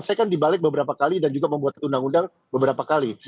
saya kan dibalik beberapa kali dan juga membuat undang undang beberapa kali